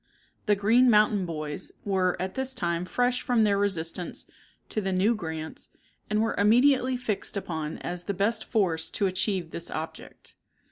The "Green Mountain Boys" were at this time fresh from their resistance to the new grants, and were immediately fixed upon as the best force to achieve this object.